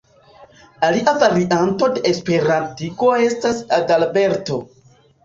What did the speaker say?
Alia varianto de esperantigo estas "Adalberto".